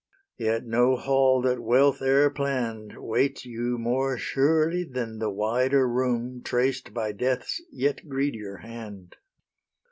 Yet no hall that wealth e'er plann'd Waits you more surely than the wider room Traced by Death's yet greedier hand.